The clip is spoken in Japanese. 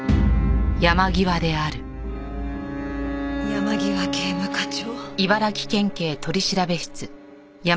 山際警務課長。